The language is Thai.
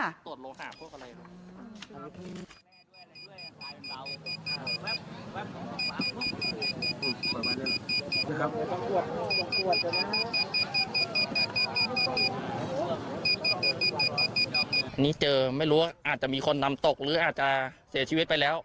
อันนี้เจอไม่รู้ว่าอาจจะมีคนนำตกหรืออาจจะเสียชีวิตไปแล้ว